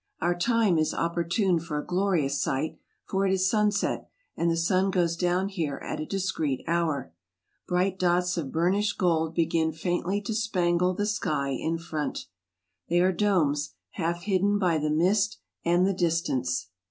Our time is opportune for a glorious sight, for it is sunset, and the sun goes down here at a discreet hour. Bright dots of bur nished gold begin faintly to spangle the sky in front. They are domes, half hidden by the mist and the distance.